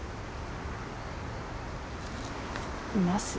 います？